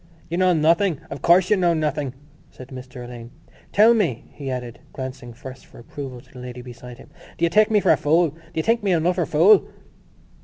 "You—know—nothing. Of course you know nothing," said Mr Alleyne. "Tell me," he added, glancing first for approval to the lady beside him, "do you take me for a fool? Do you think me an utter fool?"